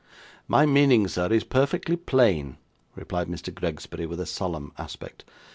'My meaning, sir, is perfectly plain,' replied Mr. Gregsbury with a solemn aspect.